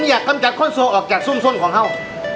ผมอย่ากำกัดคนโซ่ออกจากสุ่มของเขา